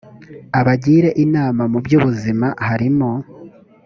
abagire inama mu by ubuzima harimo